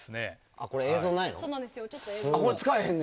これ映像ないの？